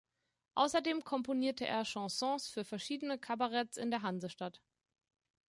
Außerdem komponierte er Chansons für verschiedene Kabaretts in der Hansestadt.